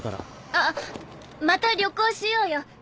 あっまた旅行しようよ。